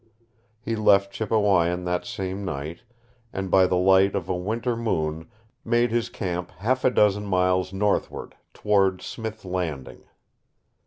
He left Chippewyan that same night, and by the light of a Winter moon made his camp half a dozen miles northward toward Smith Landing.